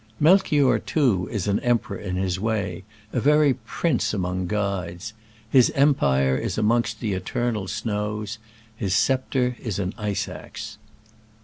Mel chior, too, is an emperor in his way — a very prince among guides. His empire is amongst the "eternal snows" — his sceptre is an ice axe.